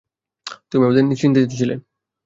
তুমি আমাদের নিয়ে চিন্তিত ছিলে।